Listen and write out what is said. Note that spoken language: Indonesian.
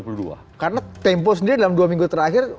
karena tempo sendiri dalam dua minggu terakhir